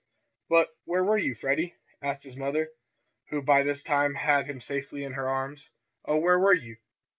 "But where were you, Freddie?" asked his mother, who by this time had him safely in her arms. "Oh, where were you?"